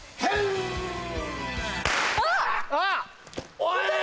おい！